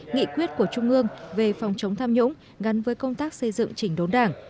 nghị quyết của trung ương về phòng chống tham nhũng gắn với công tác xây dựng chỉnh đốn đảng